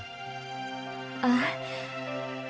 kamu jangan berpikiran yang enggak enggak dulu tom